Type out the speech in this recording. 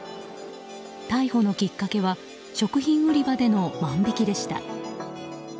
逮捕のきっかけは食品売り場での万引きでした。